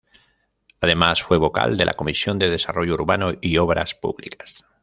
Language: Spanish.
Además fue Vocal de la Comisión de Desarrollo Urbano y Obras Públicas.